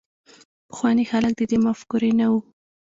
پخواني خلک د دې مفکورې نه وو.